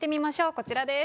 こちらです。